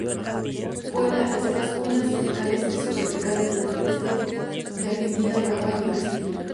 Puebla las selvas húmedas tropicales y subtropicales del nordeste de Argentina, Paraguay y Brasil.